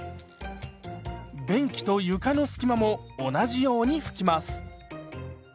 便器と床の隙間も同じように拭きます。